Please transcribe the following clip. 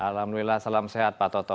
alhamdulillah salam sehat pak toto